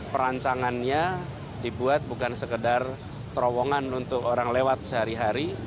perancangannya dibuat bukan sekedar terowongan untuk orang lewat sehari hari